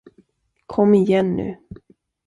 Kom igen nu.